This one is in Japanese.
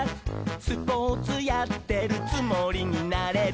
「スポーツやってるつもりになれる」